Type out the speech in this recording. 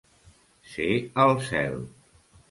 Ser al cel.